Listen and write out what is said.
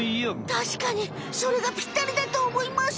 たしかにそれがぴったりだとおもいます！